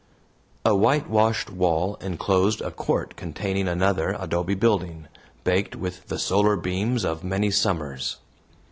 A whitewashed wall enclosed a court containing another adobe building, baked with the solar beams of many summers.